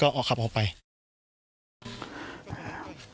กลุ่มตัวเชียงใหม่